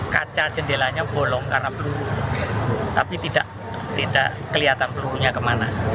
kaca jendelanya bolong karena peluru tapi tidak kelihatan pelurunya kemana